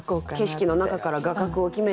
景色の中から画角を決めて。